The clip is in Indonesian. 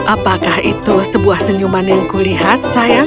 apakah itu sebuah senyuman yang kulihat sayang